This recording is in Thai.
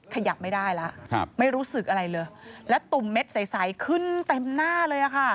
ขยับไม่ได้แล้วไม่รู้สึกอะไรเลยแล้วตุ่มเม็ดใสขึ้นเต็มหน้าเลยค่ะ